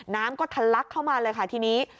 น้ำก็ทะลักเข้ามาเลยค่ะทีนี้